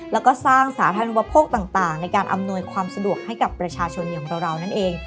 แล้วก็สร้างสาธารณุปโภคต่างในการอำนวยความสะดวกให้กับประชาชนอย่างเรานั่นเอง